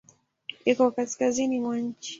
Iko kaskazini mwa nchi.